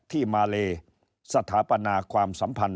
ที่มาเลสถาปนาความสัมพันธ